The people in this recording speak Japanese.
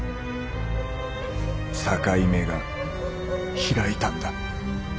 「境目」がひらいたんだ。